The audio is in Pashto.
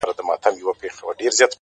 پوړني به د ټول هيواد دربار ته ور وړم!!